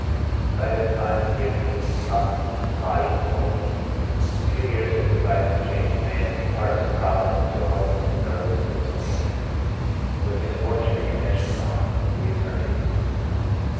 By this time the drink fiend had gotten him, body and soul. A few years had sufficed to change a man of parts and promise into a hopeless, nerveless dipsomaniac. With his fortune and commission gone, he returned to England.